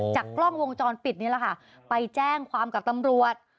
กล้องวงจรปิดนี่แหละค่ะไปแจ้งความกับตำรวจ